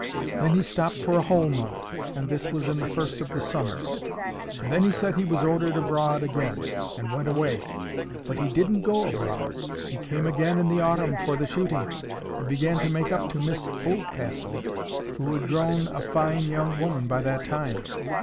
Then he stopped for a whole month, and this was in the first of the summer; and then he said he was ordered abroad again, and went away. But he didn't go abroad. He came again in the autumn for the shooting, and began to make up to Miss Oldcastle, who had grown a fine young woman by that time.